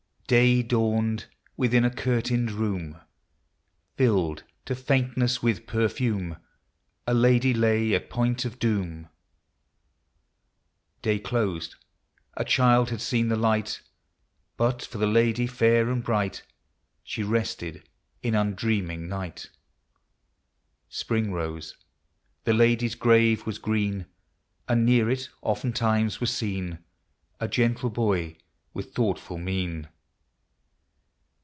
Day dawned ;— within a curtained room, Filled to faintness with perfume, A lady lay at point of doom. Day closed; — a Child had seen the light: But, for the lady fair and bright, She rested in undreaming night. Spring rose; — the lady's grave was green; And near it, oftentimes, was seen A gentle Boy with thoughtful mien.